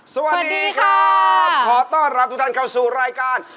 สวัสดีครับขอต้อนรับทุกท่านเข้าสู่รายการ